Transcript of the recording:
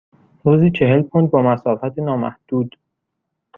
روزی چهل پوند با مسافت نامحدود.